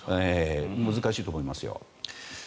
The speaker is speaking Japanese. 難しいと思いますよ。